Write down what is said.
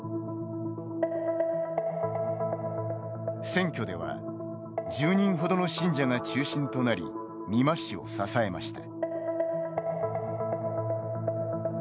選挙では１０人ほどの信者が中心となり美馬氏を支えました。